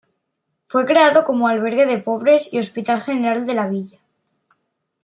Fue creado como albergue de pobres, y Hospital General de la villa.